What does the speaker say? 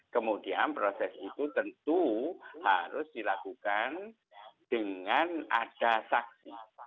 kemudian proses itu tentu harus dilakukan dengan ada saksi